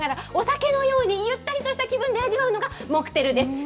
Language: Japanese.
香りと味を楽しみながら、お酒のようにゆったりとした気分で味わうのがモクテルです。